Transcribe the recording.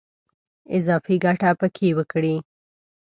اضافي ګټه په کې وکړي.